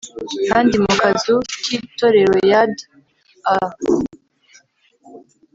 Kandi mu kazu kitoreroyard I